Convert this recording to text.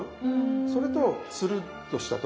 それとつるっとしたところ。